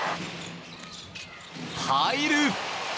入る！